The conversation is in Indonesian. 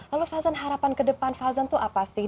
lalu fazan harapan ke depan fauzan itu apa sih